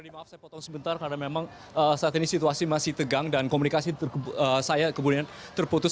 maaf saya potong sebentar karena memang saat ini situasi masih tegang dan komunikasi saya kemudian terputus